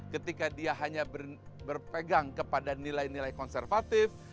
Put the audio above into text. ketika dia hanya berpegang kepada nilai nilai konservatif